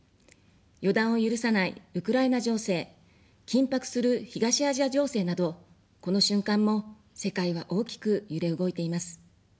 予断を許さないウクライナ情勢、緊迫する東アジア情勢など、この瞬間も世界は大きく揺れ動いています。